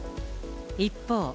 一方。